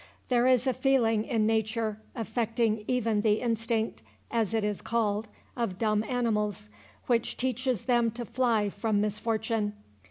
There is a feeling in nature, affecting even the instinct, as it is called, of dumb animals, which teaches them to fly from misfortune.